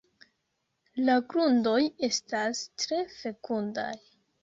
La grundoj estas tre fekundaj.